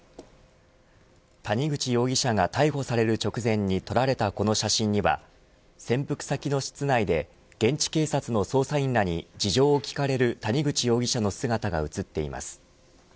谷口容疑者が逮捕される直前に撮られた、この写真には潜伏先の室内で現地警察の捜査員らに事情を聞かれる谷口容疑者の姿が写っています。